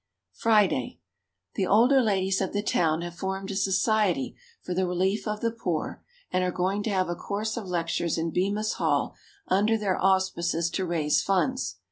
Friday. The older ladies of the town have formed a society for the relief of the poor and are going to have a course of lectures in Bemis Hall under their auspices to raise funds.